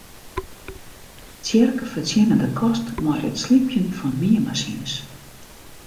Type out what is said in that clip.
Tsjerk fertsjinne de kost mei it slypjen fan meanmasines.